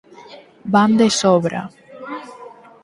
Van de Sobra.